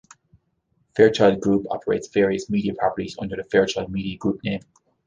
Fairchild Group operates various media properties under the Fairchild Media Group name.